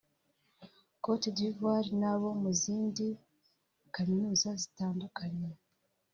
Cote d’Ivoire n’abo mu zindi kaminuza zitandukanye”